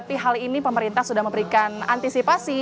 tapi hal ini pemerintah sudah memberikan antisipasi